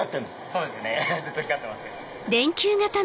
そうですねずっと光ってます。